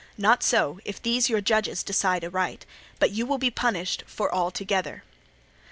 Not so, if these your judges decide aright, but you will be punished for all together.